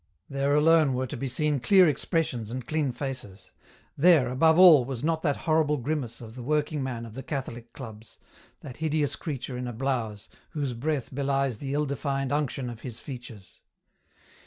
There alone were to be seen clear expressions and clean faces ; there, above all, was not that horrible grimace of the working man of the catholic clubs — that hideous creature in a blouse, whose breath belies the ill defined unction of his features.